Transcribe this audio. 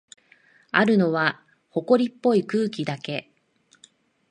あるのは、ほこりっぽい空気だけ。